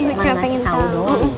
mana sih tau dong